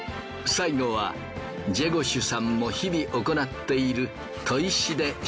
最後はジェゴシュさんも日々行っている砥石で仕上げ。